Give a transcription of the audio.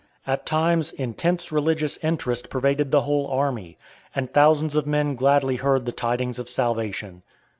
At times intense religious interest pervaded the whole army, and thousands of men gladly heard the tidings of salvation.